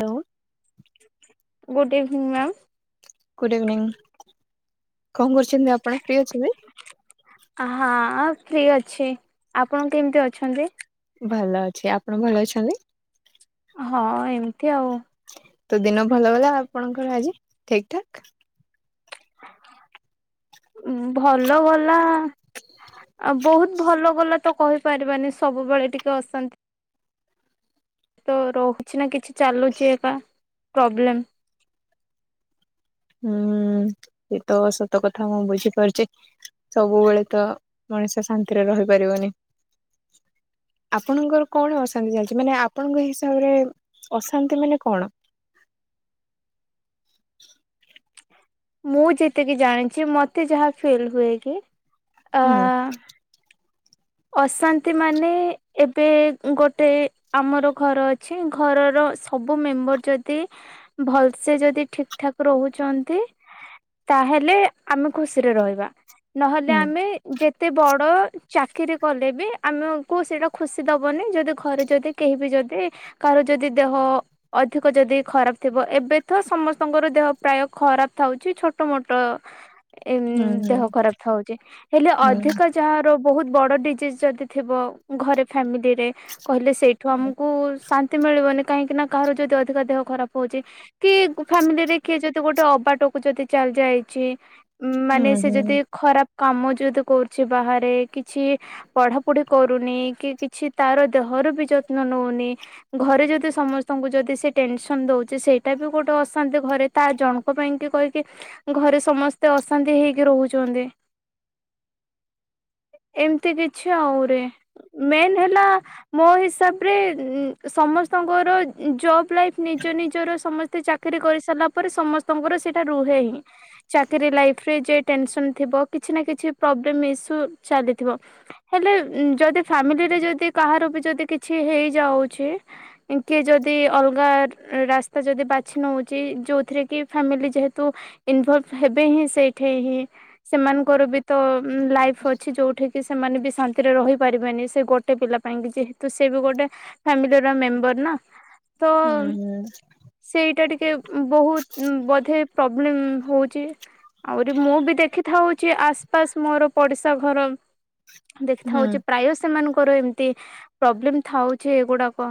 Hello. Good evening ma'am. Good evening. କଣ କରୁଛନ୍ତି ଆପଣ ଫି ଅଛନ୍ତି। ହଁ ଫ୍ରି ଅଛି ଆପଣ କେମିତି ଅଛନ୍ତି। ଭଲ ଅଛି ଆପଣ ଭଲ ଅଛନ୍ତି। ହଁ ଏମତି ଆଉ। ତ ଦିନ ଭଲ ଗଲା ଆପଣଙ୍କର ଆଜି ଠିକ ଠାକ। ଭଲ ଗଲା ବହୁତ ଭଲ ଗଲା ତ କହିପାରିବାନି ସବୁବେଳେ ଟିକେ ଅଶାନ୍ତି। ତ ରହୁଛି ନା କିଛି ଚାଲୁଛି ଏକ ପ୍ରୋବ୍ଲେମ୍। ହୁଁ ସେ ତ ସତ କଥା ମୁଁ ବୁଝିପାରୁଛି ସବୁବେଳେ ତ ମଣିଷ ଶାନ୍ତିରେ ରହିପାରିବନି ଆପଣଙ୍କର କଣ ଅଶାନ୍ତି ଚାଲିଛି ମାନେ ଆପଣଙ୍କ ହିସାବରେ ଅଶାନ୍ତି ମାନେ କଣ? ମୁଁ ଯେତିକି ଜାଣିଛି ମତେ ଯାହା ଫେଲ ହୁଏ କି ଅ ହୁଁ। ଅଶାନ୍ତି ମାନେ ଏବେ ଗୋଟେ ଆମର ଘର ଅଛି ଘରର ସବୁ ମେମ୍ବର ଯଦି ଭଲସେ ଯଦି ଠିକ ଠାକ ରହୁଛନ୍ତି ତାହେଲେ ଆମେ ଖୁସିରେ ରହିବା। ନହେଲେ ହୁଁ ଆମେ ଯେ ଏେ ବଡ ଚାକିରି କଲେ ବି ଆମକୁ ସେଇଟା ଖୁସି ଦବନି ଯଦି ଘରେ ଯଦି କେହିିବି ଯଦି କାହାର ଯଦି ଦେହ ଅଧିକ ଯଦି ଖରାପ ଥିବ ଏବେ ତ ସମସ୍ତଙ୍କର ଦେହ ପ୍ରାୟ ଖରାପ ହଉଛି ଛୋଟ ମୋଟ ଏ ଦେହ ହୁଁ ଖରାପ ହଉଛି ହେଲେ ଅଧିକ ଯାହା ରୋଗ ବହୁତ ବଡ ଯଦି ଥିବ ଘରେ ଫାମିଲିରେ କହିଲେ ସେଇଠୁ ଆମକୁ ଶ ମିଳିବନି କାହିଁକି ନା କାହାରାରୁ ଯଦି ଅଧିକ ଦେହ ଖରାପ ହଉଛି କିଏ ଫ୍ୟାମିଲିରେ କିଏ ଯଦି ଗୋଟେ ଅବାଟକୁୁ ଯଦି ଚାଲି ଯାଇଛି ଉ ମାନେ ହୁଁ ହୁଁ ହୁଁ ହୁଁ ସେ ହୁଁ ଯଦି ଖରାପ କାମ ଯଦ କରୁଛି ବାହାରେ କିଛି ପଢା ପଢି କରୁନି କି, କିଛି ତାର ଦେହର ବି ଯତ୍ନ ନଉନି। ଘରେ ଯଦି ସମସ୍ତଙ୍କୁ ଯଦି ବି ସେ ଟେନସନ୍ ଦଉଚି ସେଇଟା ବି ଗୋଟେ ଅଶାନ୍ତି ଘରେ ତା ଜଣଙ୍କ ପାଇଁ କି କହିକି ଘରେ ସମସ୍ତେ ଅଶାନ୍ତି ହେଇକି ରହୁଛନ୍ତି। ଏମିତି କି ଛାଉରେ ମେନ ହେଲା ମୋ ହିସାବରେ ଉଁ, ସମସ୍ତଙ୍କର ଉଁ, ଜବ୍ ଲାଇଫ୍ ନିଜ ନିଜର ସମସ୍ତେ ଚାକିରୀ କରିସାରିଲା ପରେ ସମସ୍ତଙ୍କର ସେଟା ରୁହେ ହିଁ, ଚାକିରୀ ଲାଇଫ୍ ରେ ଯେ ଟେନସନ୍ ଥିବ କିଛି ନା କିଛି ପ୍ରବ୍ଲେମ୍ ଇସୁ ଚାଲିଥିବ। ହେଲେ ଉଁ ଯଦି ଫ୍ୟାମିଲିରେ ଯଦି କାହାର ବି ଯଦି କିଛି ହେଇଯାଉଛି, କିଏ ଯଦି ଅଲଗା ରାସ୍ତା ଯଦି ବାଛି ନଉଚି ଯୋଉଥିରେ କି ଫ୍ୟାମିଲି ଯେହେତୁ ଇନଭଲଭ୍ ହେବେ ହିଁ ସେଇଠେ ହିଁ ସେମାନଙ୍କର ବି ତ ଉଁ, ଲାଇଫ୍ ଅଛି ଯୋଉଠି କିି ସେମାନେ ବି ଶାନ୍ତିରେ ରହିପାରିବେନି ସେ ଗୋଟେ ପିଲା ପାଇଁ କି ଯେହେତୁ ସେ ବି ଗୋଟେ ଫ୍ୟାମିଲିର ମେମ୍ବର୍ ନା। ତ ହୁଁ ସେଇଟା ଟିକେ ଉଁ, ବହୁତ ଉଁ, ବୋଧେ ପ୍ରୋବ୍ଲେମ୍ ହଉଚି, ଆଉରି ମୁଁ ବି ଦେଖିଥାଉଛି ଆସପାସ ମୋର ପଡିଶା ଘର ଦେଖି ହୁଁ। ଥାଉଚି ପ୍ରାୟ ସେମାନଙ୍କୁ କର ଏମିତି ପ୍ରୋବ୍ଲେମ୍ ଥାଉ ଛି ଏଗୁଡ଼ାକ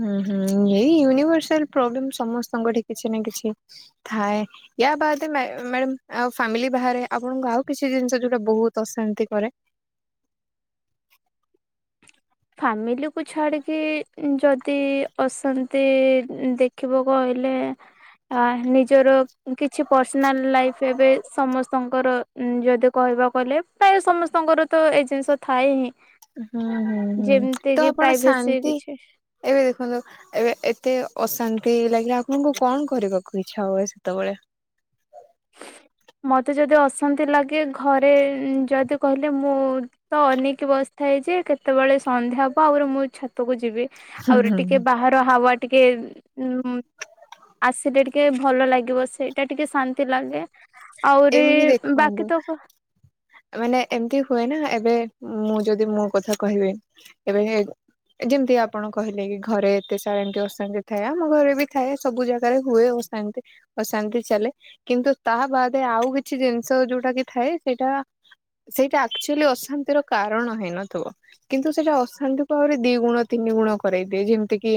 ହୁଁ ହୁଁ ଏଇ ୟନିଭର୍ସଲ ପ୍ରୋବ୍ଲେମ୍ ସମସ୍ତଙ୍କଠି କିଛି ନା କିଛି ଥାଏ, ୟା ବାଦା ମେ ମେମ୍ ଆଉ ଫ୍ୟାମିଲି ବାହାରେ ଆପଣଙ୍କୁ ଆଉ କିଛି ଜିନିଷ ଯୋଉଟା ବହୁତ ଅଶାନ୍ତି କରେ ଫାମିଲିକୁ ଛାଡିକି ଯଦି ଅଶାନ୍ତି ଉଁ, ଦେଖିବ କହିଲେ ଆ ନିଜର କିଛି ପର୍ସନାଲ୍ ଲାଇଫ୍ ଏବେ ସମସ୍ତଙ୍କର ଉଁ ଯଦି କହିବା କହିଲେ ପ୍ରାୟ ସମସ୍ତଙ୍କର ତ ଏ ଜିନିଷ ଥାଏ ହିଁ। ଏ ହଁ। ହୁଁ, ହୁଁ, ହୁଁ ଯେମିତି ତ କିି ଆପଣ ପ୍ରାଇଭେସି ଶାନ୍ତି କିଛି ଏବେ ଦେଖନ୍ତୁ ଏବେ ଏତେ ଅଶାନ୍ ଏ ଲାଗିଲା ଆପଣଙ୍କୁ କଣ କରିବାକୁ ଇଚ୍ଛା ହୁଏ ସେତେବେଳେ? ମୋତେ ଯଦି ଅଶାନ୍ତି ଲାଗେ ଘରେ ଉଁ ଯଦି କହିଲେ ମୁଁ ତ ଅନେଇକି ବସିଥାଏ ଯେ କେତେବେଳେ ସନ୍ଧ୍ୟା ହବ ଆହୁରୁ ମୁଁ ଛାତକୁ ଯିବି। ହୁଁ ଆହୁରି ହୁଁ ଟିକେ ହୁଁ। ବାହାର ହାୱା ଟିକେ ଉଁ, ଉଁ ଆସିଲେ ଟିକେ ଭଲ ଲାଗିବ ସେଇଟା ଟିକେ ଶାନ୍ ତି ଲାଗେ। ଆହୁରି ଏମିତି ବାକି ଦେଖନ୍ତୁ, ତ ଆ, ମାନେ ଏମିତି ହୁଏ ନା ଏବେ ମୁଁ ଯଦି ମୋ କଥା କହିବି ଏବେ ହେ ଏ ଯେମିତି ଆପଣ କହିଲେ କି ଘରେ ଏତେ ସାରା ଏମିତି ଅଶାନ୍ତି ଥାଏ, ଆମ ଘରେ ବି ଥାଏ ସବୁ ଜାଗାରେ ହୁଏ ଅଶାନ୍ତି, ଅଶାନ୍ତି ଚାଲେ କିନ୍ତୁ ତା ବାଦ ସେ ଆଉ କିଛି ଜିନିଷ ଯୋଉଟା କି ଥାଏ ସେଇଟା ସେଇଟା ଆକ୍ଚୁଲି ଅଶାନ୍ତିର କାରଣ ହେଇନଥିବ, କିନ୍ତୁ ସେଇଟା ଅଶାନ୍ତିକୁ ଆହୁରି ଦି ଗୁଣ ତିନି ଗୁଣ କରାଇ ଦିଏ ଯେମିତି କିି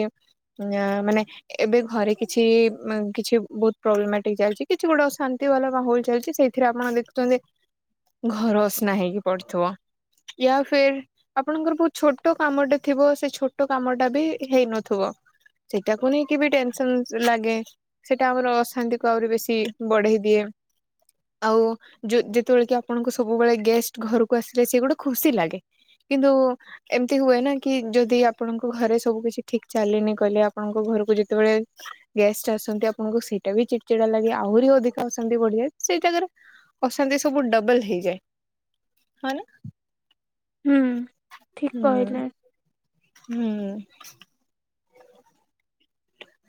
ଅଁ, ମାନେ ଏବେ ଘରେ କିଛି ମା-କିଛି ବହୁତ ପ୍ରୋବ୍ଲେମେଟିକ୍ ଚାଲିଛି, କିଛି ଗୋଟେ ଅଶାନ୍ତି ବାଲା ବା ହୋଲ୍ ଚାଲିଚି, ସେଇଥିରେ ଆପଣ ଦେଖୁଚନ୍ତି ଘର ଅସନା ହେଇକି ପଡିଥିବ। ୟା ଫେର୍ ଆପଣଙ୍କର ବହୁତ ଛୋଟ କାମଟେ ଥିବ ସେ ଛୋଟ କାମଟା ବି ହେଇନଥିବ, ସେଇଟାକୁ ନେଇକି ବି ଟେନସନ୍ ଲାଗେ ସେଟା ଆମର ଅଶାନ୍ତିକୁ ଆହୁରି ବେଶୀ ବଢେଇ ଦିଏ। ଆଉ ଯୋ ଯେତେବେଳେ କି ଆପଣଙ୍କୁ ସବୁବେଳେ ଗେଷ୍ଟ ଘରକୁ ଆସିଲେ ସେ ଗୋଟେ ଖୁସି ଲାଗେ, କିନ୍ତୁ ଏମିତି ହୁଏ ନା କି ଯଦି ଆପଣଙ୍କ ଘରେ ସବୁ କିଛି ଠିକ ଚାଲେନି କହିଲେ ଆପଣଙ୍କ ଘରକୁ ଯେତେବେଳେ ଗେଷ୍ଟ ଆସନ୍ତି ଆପଣଙ୍କୁ ସେଇଟା ବି ଚିଡଚିଡା ଲାଗେ ଆହୁରି ଅଧିକା ଅଶାନ୍ ତି ବଢିଯାଏ, ସେଇ ଜାଗାରେ ଅଶାନ୍ତି ସବୁ ଡବଲ୍ ହେଇଯାଏ। ହଁ ନା ହୁଁ, ଠିକ ହୁଁ କହିଲେ। ହୁଁ,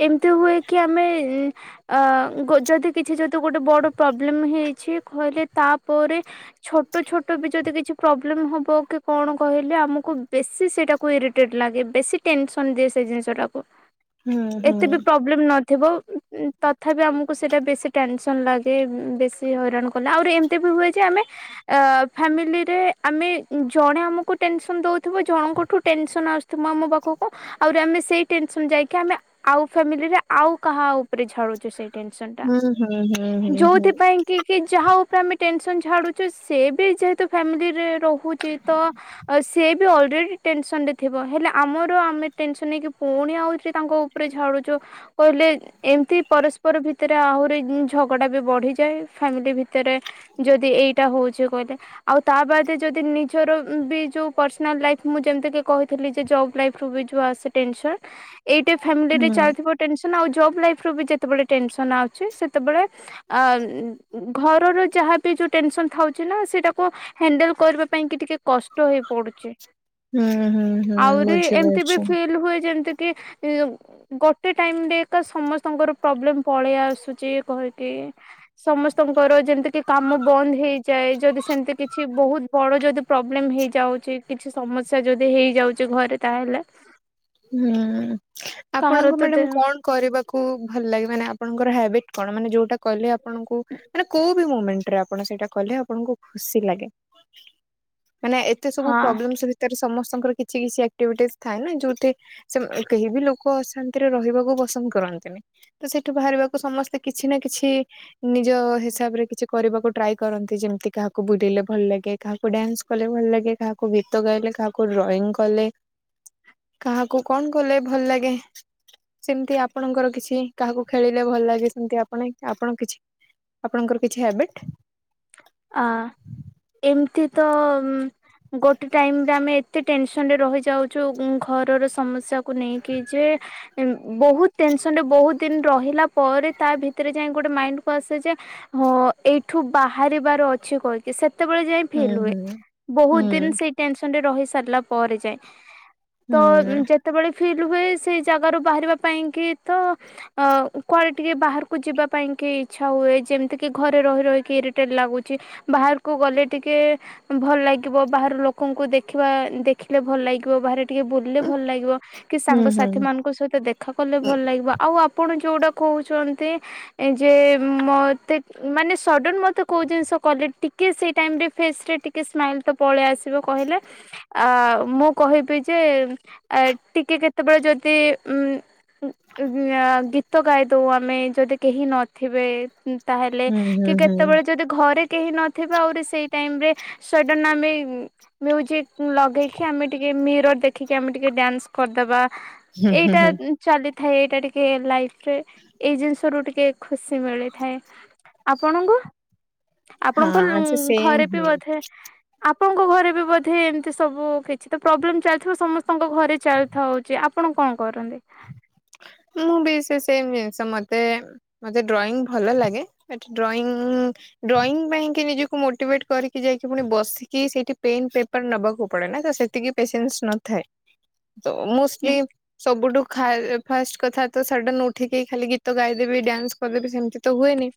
ଏମିତି ହୁଏ କି ଆମେ ଇଁ, ଆ, ଯଦି କିଛି ଯଦି ଗୋଟେ ବଡ଼ ପ୍ରୋବ୍ଲେମ୍ ହେଇଛି କହିଲେ ତାପରେ ଛୋଟ ଛୋଟ ବି ଯଦି କିଛି ପ୍ରୋବ୍ଲେମ୍ ହବ କି କଣ କହିଲେ ଆମକୁ ବେଶୀ ସେଇଟାକୁ ଇରିଟେଟ୍ ଲାଗେ ବେଶୀ ଟେନସନ୍ ଦିଏ ସେ ଜିନିଷଟାକୁ। ହୁଁ ଏତେ ହୁଁ। ବି ପ୍ରୋବ୍ଲେମ୍ ନ ଥିବ ଉଁ, ତଥାପି ଆମକୁ ସେଇଟା ବେଶି ଟେନସନ୍ ଲାଗେ, ଉଁ, ବେଶି ହଇରାଣ କଲେ ଆହୁରି ଏମିତି ବି ହୁଏ ଯେ ଆମେ ଅ, ଫ୍ୟାମିଲିରେ ଆମେ ଜଣେ ଆମକୁ ଟେନସନ୍ ଦଉଥିବ ଜଣଙ୍କଠୁ ଟେନସନ୍ ଆସୁଥି ତୁ ମାମୁ ପାଖକୁ ଆଉରି ଆମେ ସେ ସେଇ ଟେନସନ୍ ଯାଇକି ଆମେ ଆଉ ଫ୍ୟାମିଲିରେ ଆଉ କାହା ଉପରେ ଝାଡୁଚୁ ସେଇ ଟେନସନ୍ ଟା ହୁଁ ହୁଁ ହୁଁ ହୁଁ ହୁଁ ଯୋଉଥି ପାଇଁ କି କି ଯାହା ତ ଆମେ ଟେନସନ୍ ଛାଡୁଚୁ ସେ ବି ଯେହେତୁ ଫ୍ୟାମିଲିରେ ରହୁଛି ତ ଅ, ସିଏ ବି ଅଲରେଡି ଟେନସନ୍ ରେ ଥିବ ହେଲେ ଆମର ଆମେ ଟେନସନ୍ ନେଇକି ପୁଣି ଆଉଚି ତାଙ୍କ ଉପ ଝାଡୁଛୁ କହିଲେ ଏମିତି ପରସ୍ପର ଭିତରେ ଆହୁରି ଝଗଡା ବି ବଢିଯାଏ ଫାମିଲି ଭିତରେ ଯଦି ଏଇଟା ହଉଛି କହିଲେ ଆଉ ତା ବାଦ ଯଦି ନିଜର ବି ଯୋଉ ପର୍ସନାଲ ଲାଇଫ ମୁଁ ଯେମିତିକ କହିଥିଲି ଯେ ଜବ୍ ଲାଇଫ ରୁ ବିୋଉ ଆସେସ ଏଇଟା ଫାମିଲି ରେ ହୁଁ ଚାଲିଥିବ ଜବ ଲାଇଫ ରୁ ବି ଯେତେବେଳ ଟେନସନ ଆସୁଛି ସେତେବେଳେ ଅ ଘରର ଯାହାବ ଯୋ ଟେନ୍ସନ୍ ଥାଉଛି ନା ସେଟାକୁ ହଣ୍ଡଲ କରିବା ପାଇଁ ଟିକ କଷ୍ଟ ହେଇ ପଡୁଛି ହୁଁ ହୁଁ ହୁଁ ଆହୁରି ଏମତି ବି ବୁଝିପାରୁଛି। ଫିଲ ହୁଏ ଯେମିତି କି [inaudible] ଗୋଟେ ଟାଇମ ରେ ଏକ ସମସ୍ତଙ୍କର ପ୍ରୋବ୍ଲେମ ପଳେଇ ଆସୁଛି କହିକି ସମସ୍ତଙ୍କର ଯେମିତି କି କାମ ବନ୍ଦ ହେଇଯାଏ ଯଦି ସେମିତି କିଛି ବହୁତ ବଡ ଯଦି ପ୍ରୋବ୍ଲେମ ହେଇଯାଉଛି କିଛି ସମସ୍ୟା ଯଦି ହେଇଯାଉଛି ଘରେ ତାହେଲେ ହୁଁ କାହାର ଆପଣଙ୍କୁ ତ ମ୍ୟାଡାମ ଦେହ କଣ କରିବାକୁ ଭଲ ଲାଗେ ମାନେ ଆପଣର ହବିଟ କଣ ମାନ ଯୋଉ କଲେ ଆପଣଙ୍କୁ ମାନେ କୋଉ ବି ମୋମେଣ୍ଟ ରେ ଆପଣ ସେଇଟା କଲେ ଆପଣଙ୍କୁ ଖୁସି ଲାଗେ ମାନେ ଏତେ ସବୁ ହଁ ପ୍ରୋବ୍ଲେମ ଭିତରେ ସମସ୍ତଙ୍କର କିଛି କିଛି ଆକ୍ଟିଭିଟିସ୍ ଥାଏ ନା ଯେଉଁଠି ସେ କେହି ବି ଲୋକ ଅଶାନ୍ତିରେ ରହିବାକୁ ପସନ୍ଦ କରନ୍ତିନି ତ ସେଠୁ ବାହାରିବାକୁ ସମସ୍ତେ କିଛି ନା କିଛି ନିଜ ହିସାବରେ କିଛି କରିବାକୁ ଟ୍ରାଏ କରନ୍ତି ଯେମିତି କାହାକୁ ବୁଲିଲେ ଭଲ ଲାଗେ କାହାକୁ ଡ୍ୟାନ୍ସ କଲେ ଭଲ ଲାଗେ କାହାକୁ ଗୀତ ଗାଇଲେ କାହାକୁ ଡ୍ରଇଂ କଲେ କାହାକୁ କଣ କଲେ ଭଲ ଲାଗେ ସେମତି ଆପଣଙ୍କର କିଛି କାହାକୁ ଖେଳିଲେ ଭଲ ଲାଗେ ସେମିତି ଆପଣ ଆପଣ କିଛି ଆପଣଙ୍କର କିଛି ହବିଟ ଅ ଏମତି ତ [inaudible] ଗୋଟେ ଟାଇମରେ ଆମେ ଏତେ ଟେନସନ ରେ ରହିଯାଉଛୁ ଘରର ସମସ୍ୟାକୁ ନେଇକି ଯେ ବହୁତ ଟେନସନରେ ବହୁତ ଦିନ ରହିଲା ପରେ ତା ଭିତରେ ଯାଇକ ଗୋଟେ ମାଇଣ୍ଡ କ ଆସେ ଯେ ଏଇଠୁ ବାହାରେ ବାର ଅଛି କହିକି ସେ ତେବେଳେ ଯାଇ ହୁଁ ଫିଲ ହୁଁ ହୁଏ ହୁଁ ବହୁତ ଦିନ ସେଇ ଟେନ୍ସନ୍ ରେ ସେରିଲା ପରେ ଜାଇଁ ତ ହୁଁ ଯେତେବେଳେ ଫିଲ୍ ହୁଏ ସେଇ ଜାଗା ରୁ ବାହାରିବା ପାଇଁ କି ତ ଅ କୁଆଡେ ଟିକେ ବାହାରକୁ ଯିବା ପାଇଁ କିି ଇ୍ଛା ହୁଏ ଯେମିତି କି ଘରେ ରହି ରହିକି ଇରିଟେଲ ଲାଗୁଛି। ବାହାରକୁ ଗଲେ ଟିକେ ଭଲ ଲାଗ ବାହାର ଲୋକଙ୍କୁ ଦେଖ ଦେଖିଲେ ଭଲ ଲାଗିବ ରେ ଟିକେ ବୁଲିଲେ ଭଲ ଲାଗିବ କି ହୁଁ ହୁଁ ସାଙ୍ଗସାଥି ମାନଙ୍କ ସହିତ ଦେଖା କଲେ ଭଲ ଲାଗିବ ଆଉ ଆପଣ ଯୋଉ ଗୁଡା କହୁଛନ୍ତି ଯେ ମତେ ମାନେ ସଡ଼ନ ମତେ କୋଉ ଜିନିଷ କଲେ ଟିକେ ସେଇ ଟାଇମରେ ଫେସରେ ଟିକେ ସ୍ମାଇଲ୍ ତ ପଳେଇ ଆସିବ କହିଲେ ଆ ମୁଁ କହିବି ଯେ ଟିକେ କେତେବେଳେ ଯଦି ଗୀତ ଗାଇଦଉ ଆମେ ଯଦି କେହି ନଥିବେ ତାହେଲେ ହୁଁ ହୁଁ ହୁଁ କି ହୁଁ କେତେବେଳେ ଯଦି ଘରେ କେହି ନଥିବ ଆହୁରି ସେଇ ଟାଇମ ରେ ସେଇଟ ଆମେ ମ୍ୟୁଜିକ୍ ଲଗେଇକି ଆମେ ଟିକେ ର ଦେଖିକି ଆମେ ଟିକେ ଡ୍ୟାନ୍ସ କରିଦବା। ହୁଁ ଏଇଟା ହୁଁ ଚାଲି ଥାଏ ଏଇଟା ଟିକେ ଲାଇଫରେ ଏଇ ଜିନିଷ ରୁ ଟିକେ ଖୁସି ମିଳିଥାଏ ଆପଣଙ୍କୁ। ଆପଣଙ୍କ ହଁ ସେ ସେମ୍ ଘରେ ବି ହିଁ ବୋଧେ ଆପଣଙ୍କ ଘରେ ବି ବୋଧେ ଏମିତି ସବୁ କିଛି ତ ପ୍ରୋବ୍ଲେମ ଚାଲିଥିବ ସମସ୍ତଙ୍କ ଘରେ ଚାଲିଥା ହଉଛି ଆପଣ କଣ କରନ୍ତି। ମୁଁ ବି ସେ ସେମ ଜିନିଷ ମତେ ମତେ ଡ୍ରଇଂ ଭଲ ଲାଗେ ବ ଡ୍ରଂ ଡ୍ରଇଂ ପାଇଁକ ନିଜକୁ ମୋଟିଭେଟ କରିକି ଯାଇକି ପୁଣି ବସିକି ସେଇଠି ପେନ ପେପର ନେବାକୁ ପଡେ ନା ତ ସେତିକି ପେସେନ୍ସ ନଥାଏ। ତ ମୋଷ୍ଟଲି ହୁଁ ସବୁଠୁ ଖାଇ ଫାଷ୍ଟ କଥା ତ ସାଢ଼େ ନ ଉଠିକି ଖାଲି ଗୀତ ଗାଇଦେବି ଡ୍ୟାନ୍ସ କରିଦେବି ସେମିତି ତ ହୁଏନି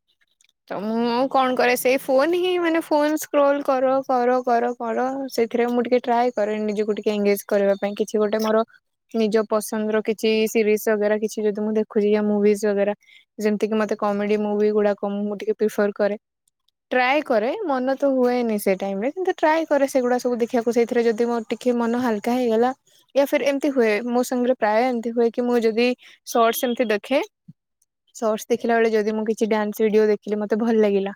ତ ମୁଁ ଆଉ କଣ କରେ ସେଇ ଫୋନ ହିଁ ମାନେ ଫୋନ ସ୍କ୍ରୋଲ କର କର କର କର ସେଥିରେ ମୁଁ ଟିକେ ଟ୍ରାଏ କରେନି ନିଜକୁ ଟିକେ ଏଗେଜ କରିବା ପାଇଁ କିଛି ଗୋଟେ ମୋର ନିଜ ପସନ୍ଦର କିଛି ସିରିଜ କିଛି ଯଦି ମୁଁ ଦେଖୁଛି ମୁଭିଗରା ଯେମିତିକ ମତେ କମେଡି ମୁଭି ଗୁଡାକ ମୁଁ ମୁଁ ଟିକେ ପ୍ରିଫର କରେ ଟ୍ରାଏ କରେ ମନ ତ ହୁଏନି ସେ ଟାଇମ ରେ କିୁ ଟ୍ରାଏ କରେ ସେଗୁଡା ସବୁ ଦେଖିବାକୁ ସେଇଥିରେ ଯଦି ମୋର ଟିକେ ମନ ହାଲକା ହେଇଗଲା ୟା ଏମିତି ହୁଏ ମୋ ସାଙ୍ଗରେ ପ୍ରାୟ ଏମିତି ହୁଏ। କି ମୁଁ ଯଦି ସର୍ଟସ ଏମିତି ଦେଖେ ସର୍ଟସ ଦେଖିଲା ବେଳେ ଯଦି ମୁଁ କିଛି ଡ୍ୟାନ୍ସ ଭିଡିଓ ଦେଖିଲି ମତେ ଭଲ ଲାଗିଲା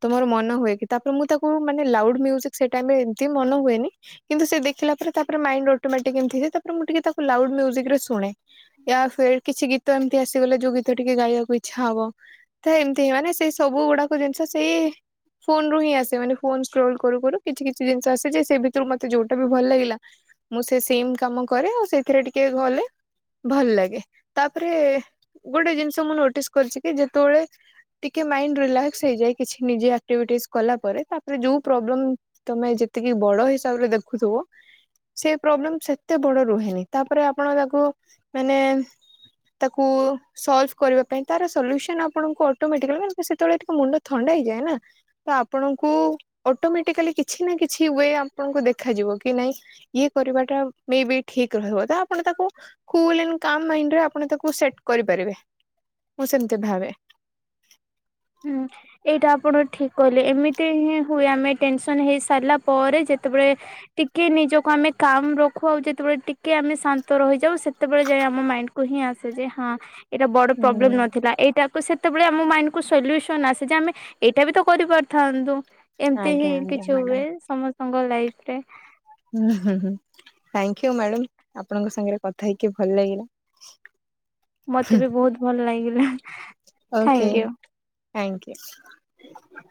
ତ ମୋର ମନ ହୁଏ କି ତାପରେ ମୁଁ ତାକୁ ମାନେ ଲାଉଡ ମ୍ୟୁଜିକ୍ ସେ ଟାଇମରେ ଏମତି ମନ ହୁଏନି କିନ୍ତୁ ସେ ଦେଖିଲା ପରେ ତାପରେ ମାଇଣ୍ଡ ଅଟୋମେଟିକ୍ ଏମିତିଏ ତାପରେ ମୁଁ ଟିକେ ତାକୁ ଲାଉଡ ମ୍ୟୁଜିକ ରେ ଶୁଣେ। ୟ ଫ କିଛି ଗୀତ ଏମିତି ଆସିଗଲେ ଯୋଉ ଗୀତ ଟିକେ ଗାଇବାକୁ ଇଚ୍ଛା ହବ ତ ଏମିତି ହ ମାନେ ସେଇ ସବୁ ଗୁଡାକ ଜିନିଷ ସେଇ ଫୋନ ରୁ ହିଁ ଆସେ ମାନେ କରୁ କରୁ କିଛି କିଛି ଜିନିଷ ଆସେ ଯେ ସେ ଭିତରୁ ମତେ ଯୋଉଟା ବି ଭଲ ଲାଗିଲା ମୁଁ ସେ ସେମ କାମ କରେ ଆଉ ସେଥିରେ ଟିକେ ଗଲେ ଭଲ ଲାଗେ ତାପରେ ଗୋଟେ ଜିନିଷ ମୁଁ ନୋଟିସ୍ କରିଛି କି ଯେତେବେଳେ ଟିକେ ମାଇଣ୍ଡ ରିଲାକ୍ସ ହେଇଯାଏ କିଛି ନିଜ ଆକ୍ଟିଭିଟିସ୍ କଲା ପରେ ତାପରେ ଯୋଉ ପ୍ରୋବ୍ଲେମ ତମେ ଯେତିକି ବଡ ହିସାବରେ ଦେଖୁଥିବ ସେ ପ୍ରୋବ୍ଲେମ ସେତେ ବଡ ରୁହେନି ତାପରେ ଆପଣ ତାକୁ ମାନେ ତାକୁ ସଲଭ କରିବା ପାଇଁ ତାର ସଲ୍ୟୁସନ ଆପଣଙ୍କୁ ଅଟୋମଟାଲି ସେତେବେଳେ ଟିକେ ମୁଣ୍ଡ ଥଣ୍ଡା ହେଇଯାଏ ନା ତ ଆପଣଙ୍କୁ ଅଟୋମେଟିକାଲି କିଛି ନା କିଛି େ ଆପଣଙ୍କୁ ଦେଖାଯିବ କି ନାଇଁ ଇଏ କରିବାଟା ବି ଠିକ ରହିବ ଆପଣ ତାକୁ ୁରେ ଆପଣ ତାକୁ ସେଟ କରିପାରିବେ ମୁଁ ସେମିତି ଭାବେ। ହୁଁ ଏଇଟା ଆପଣ ଠିକ କହିଲେ ଏମିତି ହିଁ ହୁଏ ଆମେ ଟେନସନ ହେଇ ସାରିଲା ପରେ ଯେତେବେଳେ ଟିକେ ନିଜକୁ ଆମେ କାମ ରଖୁ ଆଉ ଯେତେବେଳେ ଟିକେ ଆମେ ଶାନ୍ତ ରହିଯାଉ ସେତେବେଳେ ଯାଇ ଆମ ମାଇଣ୍ଡ କୁ ହିଁ ଆସେ ଯେ ହଁ ଏଇଟା ବଡ ହୁଁ ପ୍ରୋବ୍ଲେମ ନଥିଲା। ଏଇଟା ସେତେବେଳେ ଆମ ମାଇ ସଲୁସନ ଆସେ ଯେ ଆମେ ଏଇଟା ବି ତ କରିପାରିଥାନ୍ତୁ। ଏମତି ଆଜ୍ଞା ହିଁ ଆଜ୍ଞା କିଛି ମ୍ୟାଡ଼ାମ। ହୁଏ ସମସ୍ତେ ତାଙ୍କ ଲାଇଫ ରେ ହୁଁ ହୁଁ ହୁଁ ମ୍ୟାଡାମ ଆପଣଙ୍କ ସାଙ୍ଗରେ କଥା ହେଇକି ଭଲ ଲାଗିଲା। ମତେ ବି ବହୁତ ଭଲ ଲାଗିଲା। ହଁ। Thank you. Thank you.